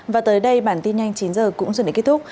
và tới đây bản tin nhanh chín h cũng dừng để kết thúc